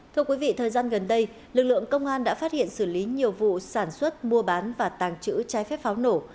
thưa quý vị thời gian gần đây lực lượng công an đã phát hiện xử lý nhiều vụ sản xuất mua bán và tàng trữ trái phép pháo nổ